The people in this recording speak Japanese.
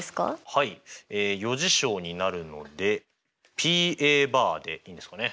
はい余事象になるのでＰでいいんですかね。